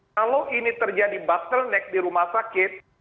kalau ini terjadi bottleneck di rumah sakit